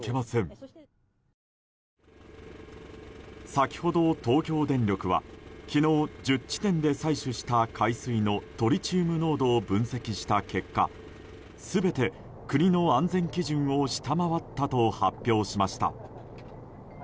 先ほど、東京電力は昨日、１０地点で採取した海水のトリチウム濃度を分析した結果全て国の安全基準を下回ったと発表しました。